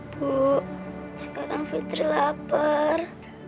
bu sekarang fitri lapar